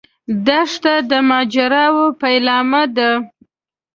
دښته د ماجراوو پیلامه ده.